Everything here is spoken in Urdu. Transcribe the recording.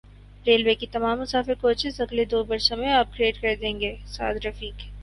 ریلوے کی تمام مسافر کوچز اگلے دو برسوں میں اپ گریڈ کر دیں گے سعد رفیق